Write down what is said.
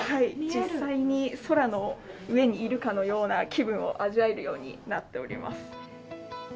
実際に空の上にいるかのような気分を味わえるようになっております。